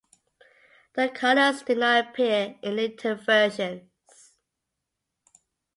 The colors did not appear in later versions.